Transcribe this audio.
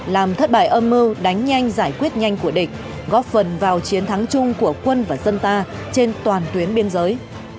làm thất bại âm mưu đánh nhanh giải quyết nhanh của địch góp phần vào chiến thắng chung của quân và dân ta trên toàn tuyến biên giới